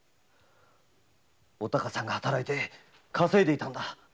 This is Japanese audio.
お孝さんが働いて稼いでいたのだ。